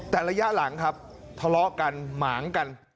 แต่ระยะหลังครับทะเลาะกันหมางกัน